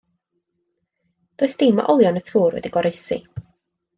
Does dim o olion y tŵr wedi goroesi.